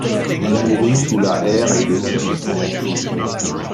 Il mourut sous la haire et le cilice.